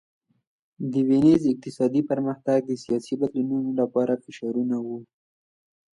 د وینز اقتصادي پرمختګ د سیاسي بدلونونو لپاره فشارونه وو